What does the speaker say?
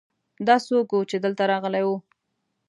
دا څوک ؤ چې دلته راغلی ؤ